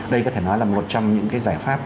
đây có thể nói là một trong những giải pháp